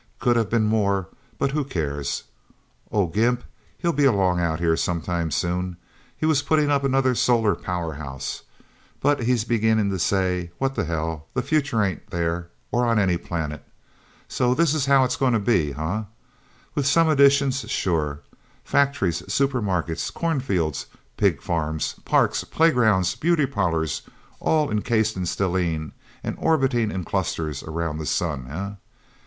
Could have been more, but who cares? Oh, Gimp'll be along out here sometime, soon. He was putting up another solar powerhouse. But he's beginning to say, what the hell, the future ain't there, or on any planet... So this is how it's gonna be, huh? With some additions, sure. Factories, super markets, cornfields, pig farms, parks, playgrounds, beauty parlors, all encased in stellene, and orbiting in clusters around the sun, eh...?